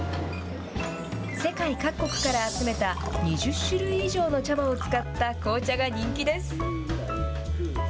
世界各国から集めた２０種類以上の茶葉を使った紅茶が人気です。